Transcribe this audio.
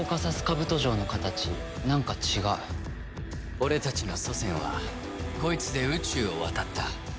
俺たちの祖先はこいつで宇宙を渡った。